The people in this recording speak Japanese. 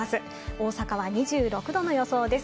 大阪は２６度の予想です。